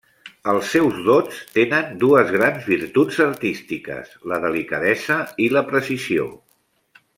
Els seus dots tenen dues grans virtuts artístiques, la delicadesa i la precisió.